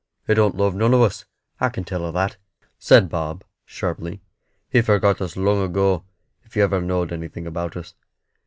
"He don't love none of us, I can tell her that," said Bob, sharply. "He forgot us long ago, if ever He knowed anything about us."